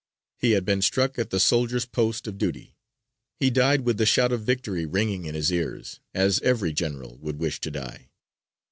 He had been struck at the soldier's post of duty; he died with the shout of victory ringing in his ears, as every general would wish to die.